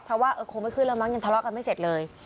เพราะว่าคงไม่ขึ้นแล้วมั้งยังทะเลาะกันไม่เสร็จเลย